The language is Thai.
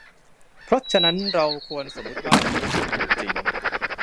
เพราะฉะนั้น เราควรสมมติว่า คนไม่มีอยู่จริง